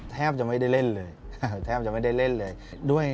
แทบจะไม่ได้เล่นเลย